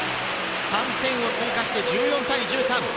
３点を追加して１４対１３。